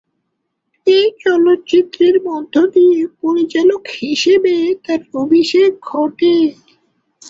এই চলচ্চিত্রের মধ্য দিয়ে পরিচালক হিশেবে তার অভিষেক ঘটে।